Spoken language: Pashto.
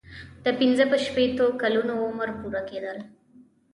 د پنځه شپیتو کلونو عمر پوره کیدل.